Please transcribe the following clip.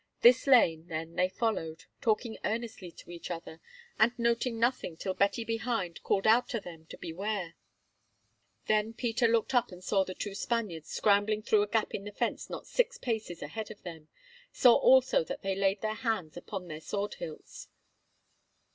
This lane, then, they followed, talking earnestly to each other, and noting nothing till Betty behind called out to them to beware. Then Peter looked up and saw the two Spaniards scrambling through a gap in the fence not six paces ahead of them, saw also that they laid their hands upon their sword hilts.